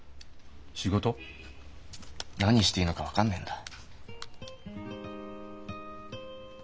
何していいのか分かんないんだ。